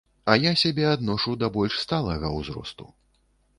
А я сябе адношу да больш сталага ўзросту.